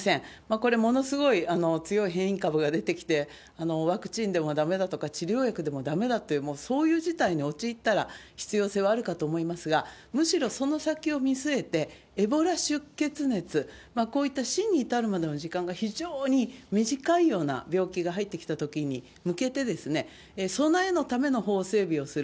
これ、ものすごい強い変異株が出てきて、ワクチンでもだめだとか、治療薬でもだめだという、もうそういう事態に陥ったら、必要性はあるかと思いますが、むしろ、その先を見据えて、エボラ出血熱、こういった死に至るまでの時間が非常に短いような病気が入ってきたときに向けて、備えのための法整備をする。